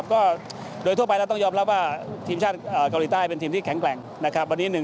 ก็จริงนี้